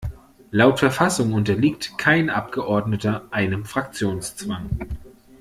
Laut Verfassung unterliegt kein Abgeordneter einem Fraktionszwang.